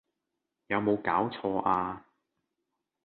有冇搞錯呀